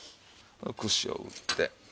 串を打って。